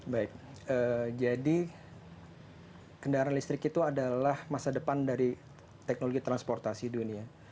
baik jadi kendaraan listrik itu adalah masa depan dari teknologi transportasi dunia